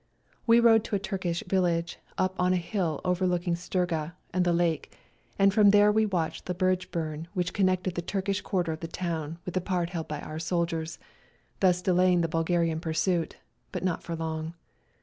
We rode to a Turkish village up on a hill overlooking Struga and the lake, and from there we watched the bridge burn which connected the Turkish quarter of the town with the part held by our soldiers, thus delaying the Bulgarian pursuit, but not for long.